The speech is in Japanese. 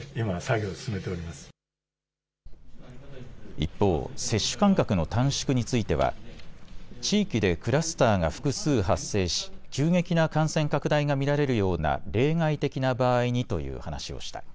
一方、接種間隔の短縮については地域でクラスターが複数発生し急激な感染拡大が見られるような例外的な場合にという話をした。